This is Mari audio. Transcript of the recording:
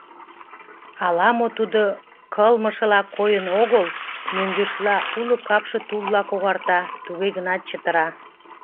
Ала-мо тудо кылмышыла койын огыл, мӧҥгешла, уло капше тулла когарта, туге гынат чытыра.